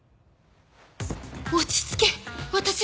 落ち着け私！